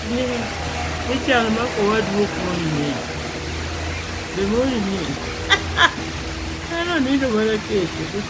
Chan ma ka owadu ok moni nindo